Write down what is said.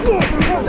kau yang pintu